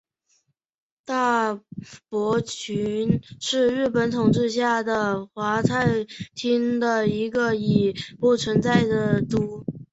大泊郡是日本统治下的桦太厅的一个已不存在的郡。